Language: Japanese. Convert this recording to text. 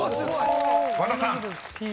［和田さん］